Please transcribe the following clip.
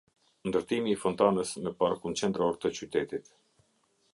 Ndërtimi i fontanës në parkun qendror të qytetit